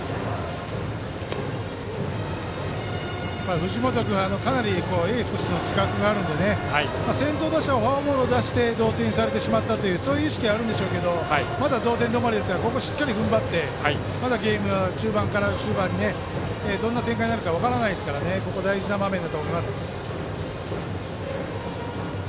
藤本君はかなりエースとしての自覚があるので先頭打者をフォアボールで出して同点にされてしまったという意識があるでしょうけどまだ同点止まりなのでしっかり踏ん張ってまだゲームは中盤から終盤へどんな展開になるか分からないのでここは大事な場面だと思います。